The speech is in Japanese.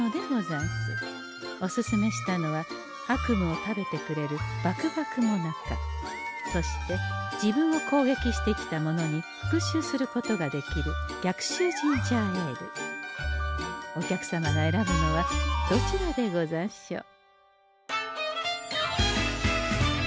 おすすめしたのは悪夢を食べてくれるそして自分をこうげきしてきた者に復しゅうすることができるお客様が選ぶのはどちらでござんしょう？